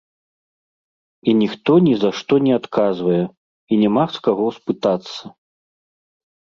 І ніхто ні за што не адказвае, і няма з каго спытацца.